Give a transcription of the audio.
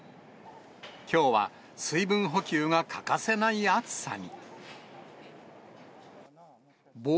きょうは水分補給が欠かせない暑さに。